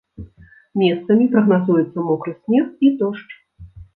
Месцамі прагназуецца мокры снег і дождж.